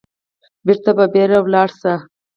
بېرته په بيړه ولاړ شو.